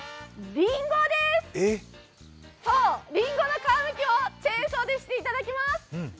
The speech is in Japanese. りんごの皮むきをチェーンソーでしていただきます。